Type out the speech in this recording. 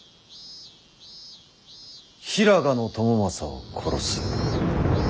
平賀朝雅を殺す。